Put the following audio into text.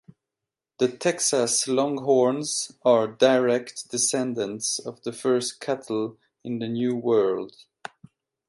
The Texas Longhorns are direct descendants of the first cattle in the New World.